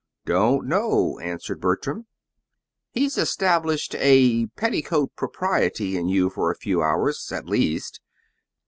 "Don't know," answered Bertram. "He's established a petticoat propriety in you for a few hours, at least.